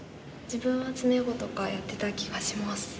自分は詰碁とかやってた気がします。